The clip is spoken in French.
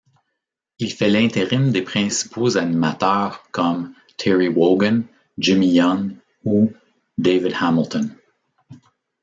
Il fait l'intérim des principaux animateurs comme Terry Wogan, Jimmy Young ou David Hamilton.